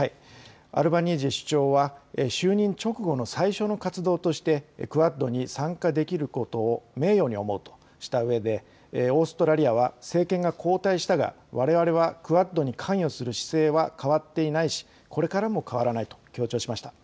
アルバニージー首相は就任直後の最初の活動としてクアッドに参加できることを名誉に思うとしたうえでオーストラリアは政権が交代したがわれわれはクアッドに関与する姿勢は変わっていないしこれからも変わらないと強調しました。